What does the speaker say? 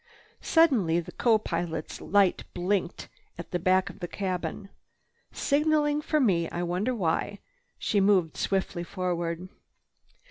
Suddenly the co pilot's light blinked at the back of the cabin. "Signaling for me. I wonder why." She moved swiftly forward.